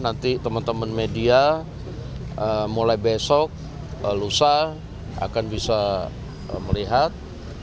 nanti teman teman media mulai besok lusa akan bisa melihat